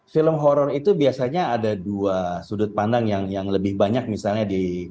film horror itu biasanya ada dua sudut pandang yang lebih banyak misalnya di